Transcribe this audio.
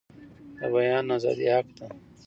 د بیان ازادي حق دی